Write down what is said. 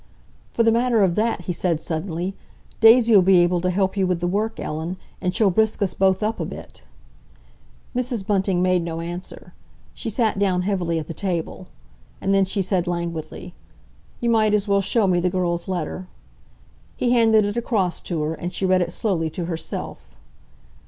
"For the matter of that," he said suddenly, "Daisy'll be able to help you with the work, Ellen, and she'll brisk us both up a bit." Mrs. Bunting made no answer. She sat down heavily at the table. And then she said languidly, "You might as well show me the girl's letter." He handed it across to her, and she read it slowly to herself.